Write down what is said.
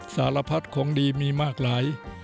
สารพัดของดีมีมากหลาย